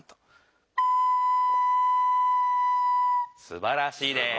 すばらしいです。